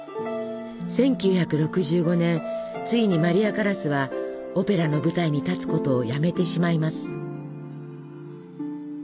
１９６５年ついにマリア・カラスはオペラの舞台に立つことをやめてしまいます。